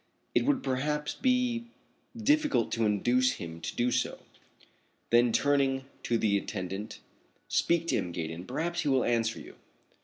"It would perhaps be difficult to induce him to do so." Then turning to the attendant: "Speak to him, Gaydon. Perhaps he will answer you."